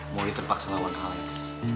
moni terpaksa lawan alex